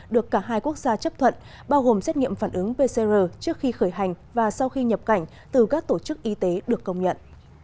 được cả hai quốc gia chấp thuận bao gồm xét nghiệm phản ứng pcr trước khi khởi hành và sau khi nhập cảnh từ các tổ chức y tế được công nhận